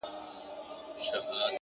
د دوى دا هيله ده!!